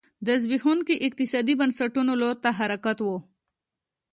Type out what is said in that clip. د زبېښونکو اقتصادي بنسټونو لور ته حرکت و